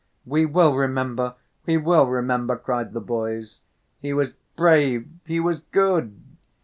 "We will remember, we will remember," cried the boys. "He was brave, he was good!"